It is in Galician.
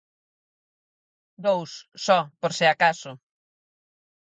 Dous, só, por se acaso.